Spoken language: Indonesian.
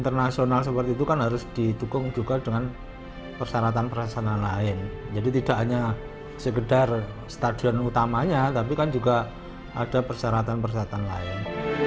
tapi kan juga ada persyaratan persyaratan lain